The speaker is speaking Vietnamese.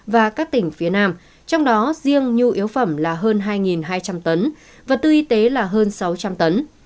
và các tỉnh phía nam trong đó riêng nhu yếu phẩm là hơn hai hai trăm linh tấn vật tư y tế là hơn sáu trăm linh tấn